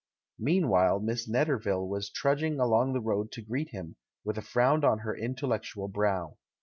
Meanwhile, Miss Netterville was trudging along the road to greet him, with a frown on her intellectual brow.